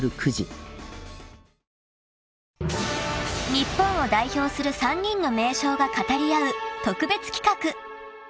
［日本を代表する３人の名将が語り合う特別企画］